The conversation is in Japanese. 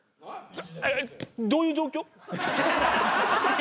どういう状況？